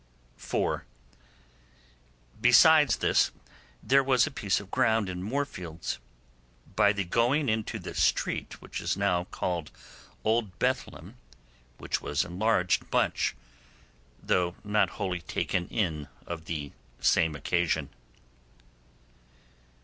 (4) Besides this, there was a piece of ground in Moorfields; by the going into the street which is now called Old Bethlem, which was enlarged much, though not wholly taken in on the same occasion.